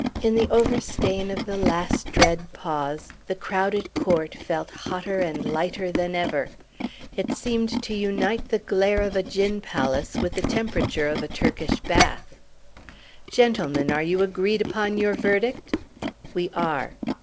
In the overstrain of the last dread pause, the crowded court felt hotter and lighter than ever. It seemed to unite the glare of a gin palace with the temperature of a Turkish bath. "Gentlemen, are you greed upon your verdict?" "We are."